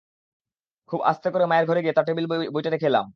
খুব আস্তে করে মায়ের ঘরে গিয়ে তাঁর টেবিলে বইটা রেখে এলাম।